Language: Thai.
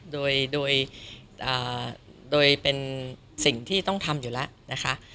โดยโดยเป็นสิ่งที่ต้องทำอยู่แล้วนะคะ